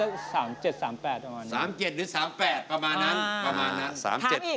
๓๗หรือ๓๘ประมาณนั้น